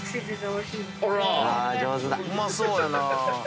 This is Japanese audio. おいしそう！